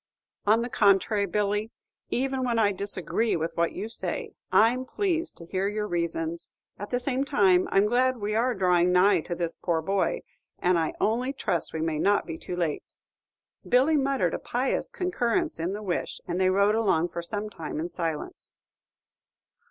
"On the contrary, Billy, even when I disagree with what you say, I'm pleased to hear your reasons; at the same time, I 'm glad we are drawing nigh to this poor boy, and I only trust we may not be too late." Billy muttered a pious concurrence in the wish, and they rode along for some time in silence.